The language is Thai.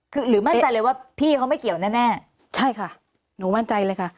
คือหรือมั่นใจเลยว่าพี่เขาไม่เกี่ยวแน่ใช่ค่ะหนูมั่นใจเลยค่ะ